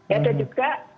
ya dan juga